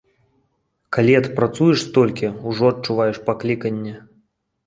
Калі адпрацуеш столькі, ужо адчуваеш пакліканне.